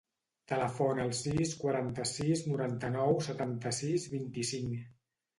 Telefona al sis, quaranta-sis, noranta-nou, setanta-sis, vint-i-cinc.